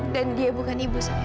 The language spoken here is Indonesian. dan dia bukan ibu saya